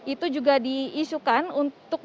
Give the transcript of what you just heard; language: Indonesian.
itu juga diisukan untuk